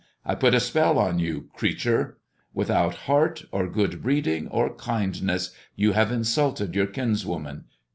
I put a spell a you, creature ! Without heart, or good breeding, or indness, you have insulted your kinswoman.